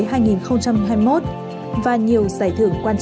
và nhiều giải thưởng quan trọng khác